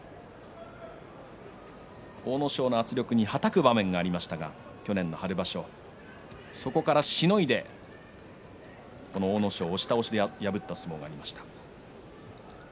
阿武咲の圧力に、はたく場面がありましたが去年の春場所そこから、しのいでこの阿武咲を押し倒しで破った相撲がありました。